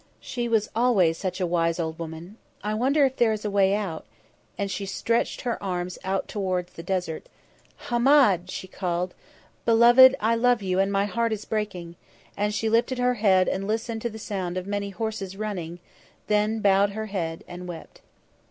She was always such a wise old woman. I wonder if there is a way out" and she stretched her arms out towards the desert. "Hahmed!" she called, "Beloved, I love you, and my heart is breaking," and she lifted her head and listened to the sound of many horses running; then bowed her head and wept.